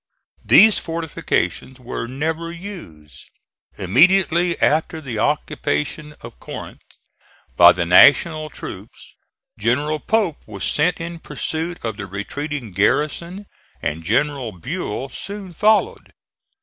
These fortifications were never used. Immediately after the occupation of Corinth by the National troops, General Pope was sent in pursuit of the retreating garrison and General Buell soon followed.